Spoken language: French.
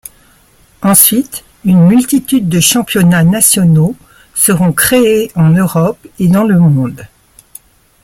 Ensuite une multitude de championnats nationaux seront créés en Europe et dans le monde.